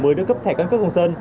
mới đưa cấp thẻ căn cấp công dân